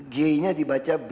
g nya dibaca b